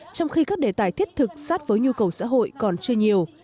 trong khi các đề tài thiết thực sát với nhu cầu xã hội còn chưa nhiều